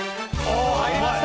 入りました！